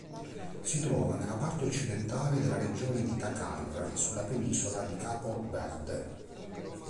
Si trova nella parte occidentale della regione di Dakar, sulla penisola di Capo Verde.